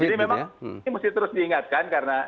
jadi memang ini harus terus diingatkan